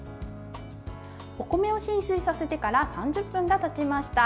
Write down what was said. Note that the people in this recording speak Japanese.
お米を浸水させてから３０分がたちました。